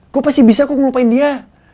gue pasti bisa kok ngelupain dia